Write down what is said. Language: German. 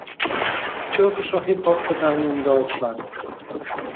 Türkischer Hip Hop begann in Deutschland.